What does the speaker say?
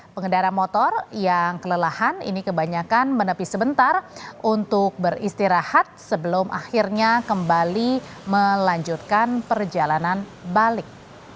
pengendara motor yang kelelahan ini kebanyakan menepi sebentar untuk beristirahat sebelum akhirnya kembali melanjutkan perjalanan balik